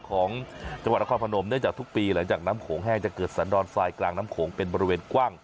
ของจังหวัดนครพนมเนื่องจากทุกปีหลังจากน้ำโขงแห้งจะเกิดสันดอนทรายกลางน้ำโขงเป็นบริเวณกว้าง